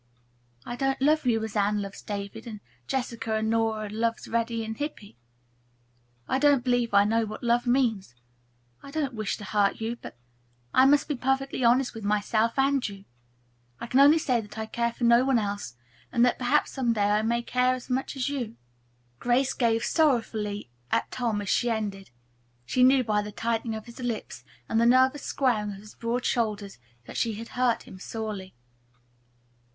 I don't love you as Anne loves David, and Jessica and Nora love Reddy and Hippy. I don't believe I know what love means. I don't wish to hurt you, but I must be perfectly honest with myself and with you. I can only say that I care for no one else, and that perhaps someday I may care as much as you." Grace gazed sorrowfully at Tom as she ended. She knew by the tightening of his lips and the nervous squaring of his broad shoulders that she had hurt him sorely.